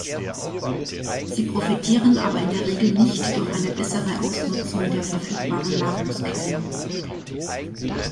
Sie profitieren aber in der Regel nicht durch eine bessere Ausnutzung der verfügbaren Nahrungsquellen.